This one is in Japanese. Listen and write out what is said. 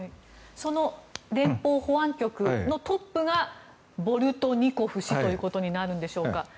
その連邦保安局のトップがボルトニコフ氏ということになるんでしょうか。